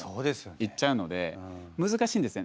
いっちゃうので難しいんですよね